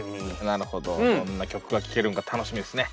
なるほどどんな曲が聴けるんか楽しみですね。